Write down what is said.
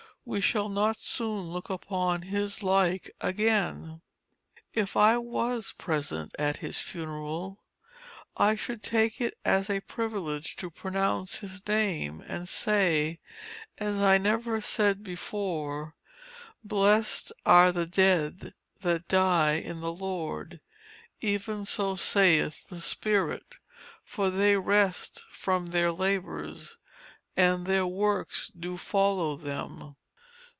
We shall not soon look upon his like again. If I was present at his funeral, I should take it as a privilege to pronounce his name, and say, as I never said before, "Blessed are the dead that die in the Lord; even so saith the Spirit; for they rest from their labors, and their works do follow them."